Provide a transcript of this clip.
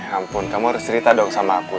ampun kamu harus cerita dong sama aku